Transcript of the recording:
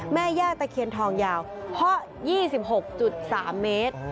แม่ย่าตะเคียนทองยาวเพาะ๒๖๓เมตร